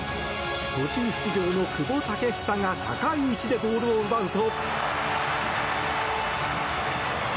途中出場の久保建英が高い位置でボールを奪うと。